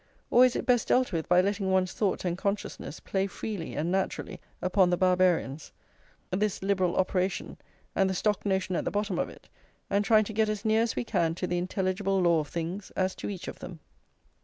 Or is it best dealt with by letting one's thought and consciousness play freely and naturally upon the Barbarians, this Liberal operation, and the stock notion at the bottom of it, and trying to get as near as we can to the intelligible law of things as to each of them?